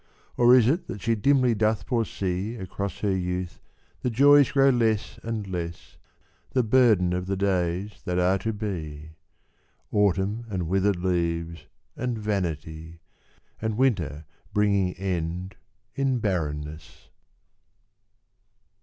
Or is it that she dimly doth foresee Across her youth the joys grow less and less The burden of the days that are to be: Autumn and withered leaves and vanity, And winter bringing end in barrenness.